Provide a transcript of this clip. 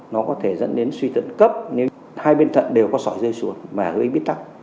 nó có thể dẫn đến suy thận cấp nên hai bên thận đều có sỏi rơi xuống và gây bích tắc